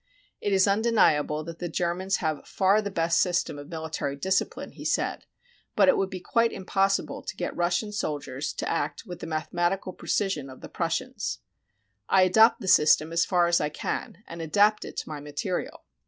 It is undeniable that the Germans have far the best system of military discipline, he said, but it would be quite impossible to get Russian soldiers to act with the mathematical precision of the Prussians. " I adopt the system as far as I can, and adapt it to my material.